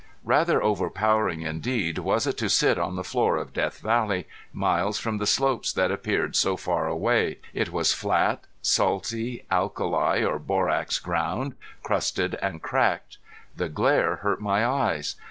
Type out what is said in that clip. Rather overpowering, indeed, was it to sit on the floor of Death Valley, miles from the slopes that appeared so far away. It was flat, salty, alkali or borax ground, crusted and cracked. The glare hurt my eyes.